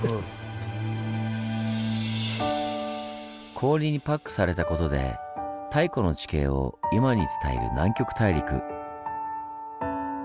氷にパックされたことで太古の地形を今に伝える南極大陸。